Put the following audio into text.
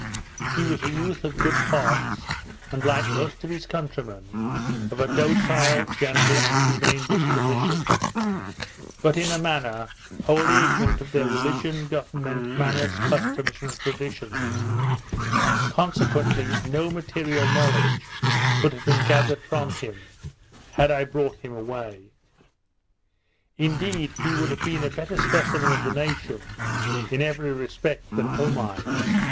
He was a youth of good parts, and, like most of his countrymen, of a docile, gentle, and humane disposition, but in a manner wholly ignorant of their religion, government, manners, customs, and traditions; consequently no material knowledge could have been gathered from him, had I brought him away. Indeed, he would have been a better specimen of the nation, in every respect, than Omai.